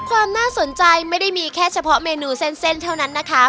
ความน่าสนใจไม่ได้มีแค่เฉพาะเมนูเส้นเท่านั้นนะคะ